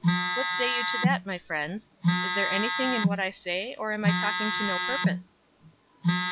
What say you to that, my friends? Is there anything in what I say, or am I talking to no purpose?"